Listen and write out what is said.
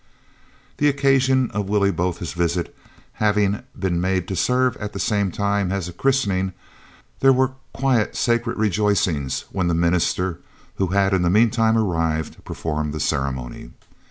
The occasion of Willie Botha's visit having been made to serve at the same time as a christening, there were quiet, sacred rejoicings when the minister, who had in the meantime arrived, performed the ceremony.